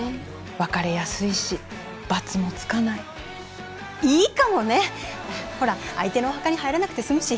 別れやすいしバツもつかないいいかもねほら相手のお墓に入らなくてすむし・